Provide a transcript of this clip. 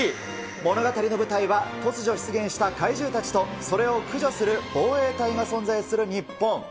物語の舞台は、突如出現した怪獣たちと、それを駆除する防衛隊が存在する日本。